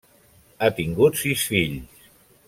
Ha tingut sis fills.